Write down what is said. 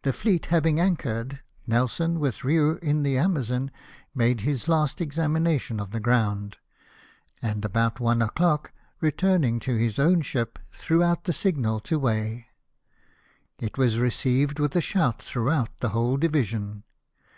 The fleet having anchored, Nelson, with Riou, in the Amazon, made his last examination of the ground, and, about one o'clock, returning to his own ship, threw out the signal to weigh. It was received with a shout throughout the whole division.